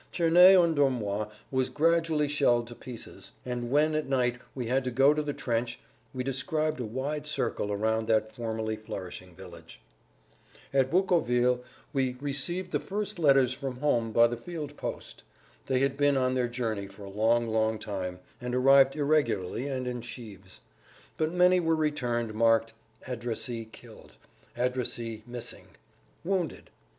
Cerney en Dormois was gradually shelled to pieces, and when at night we had to go to the trench we described a wide circle around that formerly flourishing village. At Boucoville we received the first letters from home by the field post. They had been on their journey for a long, long time, and arrived irregularly and in sheaves. But many were returned, marked, "Addressee killed," "Addressee missing," "Wounded."